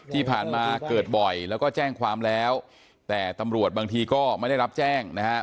ที่ผ่านมาเกิดบ่อยแล้วก็แจ้งความแล้วแต่ตำรวจบางทีก็ไม่ได้รับแจ้งนะฮะ